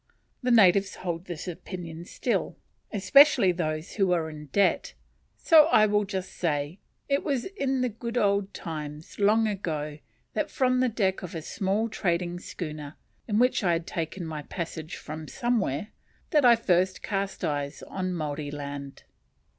The natives hold this opinion still, especially those who are in debt: so I will just say, it was in the good old times, long ago, that from the deck of a small trading schooner, in which I had taken my passage from somewhere, that I first cast eyes on Maori land.